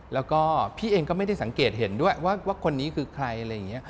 แล้วก็พี่เองก็ไม่ได้สังเกตเห็นด้วยว่าคนนี้คือใครอะไรอย่างนี้